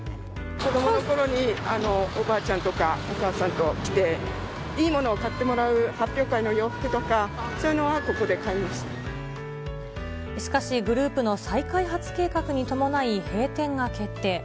子どものころにおばあちゃんとかお母さんと来て、いいものを買ってもらう、発表会の洋服とか、しかし、グループの再開発計画に伴い、閉店が決定。